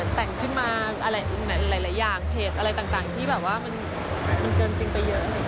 แต่งขึ้นมาหลายอย่างเพจอะไรต่างที่แบบว่ามันเกินจริงไปเยอะ